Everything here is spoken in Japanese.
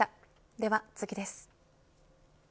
では次です。